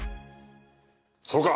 そうか！